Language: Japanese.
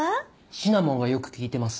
シナモンがよく利いてます。